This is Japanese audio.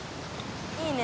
いいね。